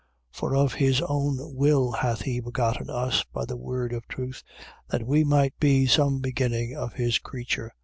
1:18. For of his own will hath he begotten us by the word of truth, that we might be some beginning of his creature.